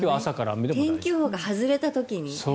なるほど天気予報が外れた時に。